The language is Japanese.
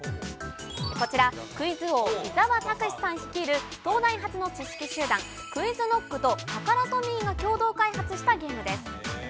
こちら、クイズ王、伊沢拓司さん率いる東大発の知識集団、クイズノックとタカラトミーが共同開発したゲームです。